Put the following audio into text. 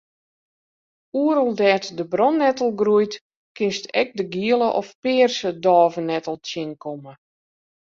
Oeral dêr't de brannettel groeit kinst ek de giele of pearse dôvenettel tsjinkomme.